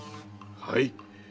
はい。